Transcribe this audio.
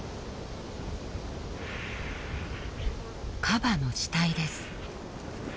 カバの死体です。